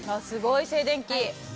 すごい静電気。